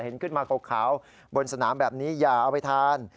ขึ้นมาขาวบนสนามแบบนี้อย่าเอาไปทาน